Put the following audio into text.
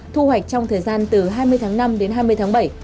thu hoạch trong thời gian từ hai mươi tháng năm đến hai mươi tháng bảy